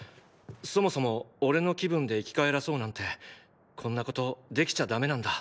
そもそもおれの気分で生き返らそうなんてこんなことできちゃダメなんだ。